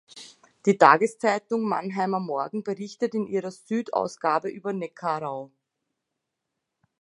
Die Tageszeitung Mannheimer Morgen berichtet in ihrer „Süd“-Ausgabe über Neckarau.